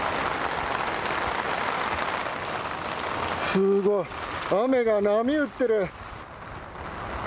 すごい！雨が波打ってる！